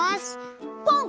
ポン